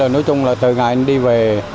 nói chung là từ ngày anh đi về